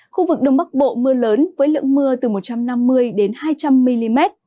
khu vực đông bắc bộ mưa lớn với lượng mưa từ một trăm năm mươi hai trăm linh mm